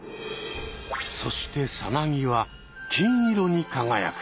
そしてさなぎは金色にかがやく。